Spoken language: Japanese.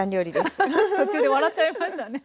アハハッ途中で笑っちゃいましたね